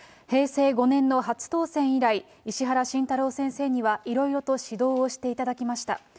平成５年の初当選以来、石原慎太郎先生には、いろいろと指導をしていただきました。